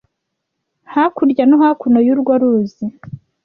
Hakurya no hakuno y’urwo ruzi,